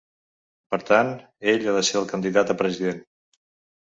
Per tant, ell ha de ser el candidat a president.